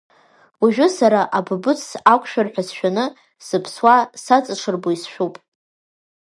Уажәы сара абыбыц ақәшәар ҳәа сшәаны сыԥсуа, саҵаҽырбо исшәуп.